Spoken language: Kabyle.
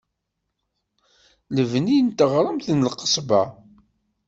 Lebni n teɣremt n Lqesba.